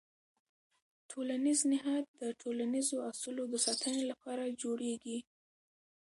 ټولنیز نهاد د ټولنیزو اصولو د ساتنې لپاره جوړېږي.